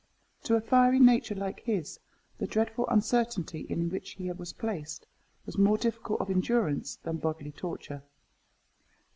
To a fiery nature like his, the dreadful uncertainty in which he was placed was more difficult of endurance than bodily torture.